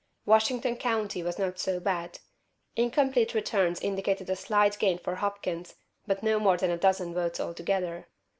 Washington County was not so bad. Incomplete returns indicated a slight gain for Hopkins, but not more than a dozen votes altogether.